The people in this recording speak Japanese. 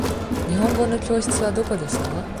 日本語の教室はどこですか。